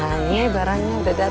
banyak barangnya udah datang